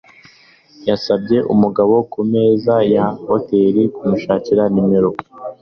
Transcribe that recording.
yasabye umugabo ku meza ya hoteri kumushakira nimero